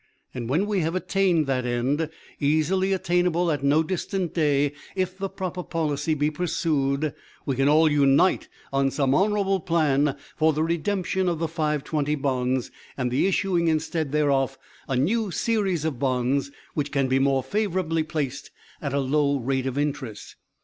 And when we have attained that end easily attainable at no distant day if the proper policy be pursued we can all unite on some honorable plan for the redemption of the Five twenty bonds, and the issuing instead thereof, a new series of bonds which can be more favorably placed at a low rate of interest.